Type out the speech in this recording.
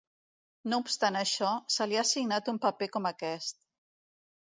No obstant això, se li ha assignat un paper com aquest.